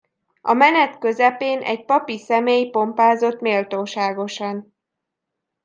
A menet közepén egy papi személy pompázott méltóságosan.